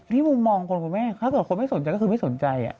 นี้มึงมองคนแม่ถ้าตัวคนไม่สนใจก็คือไม่สนใจ